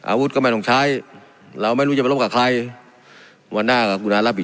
อาวุธก็ไม่ต้องใช้เราไม่รู้จะไปรบกับใครวันหน้ากับคุณอารับบิ